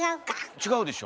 違うでしょ？